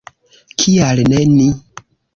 Kial ne ni?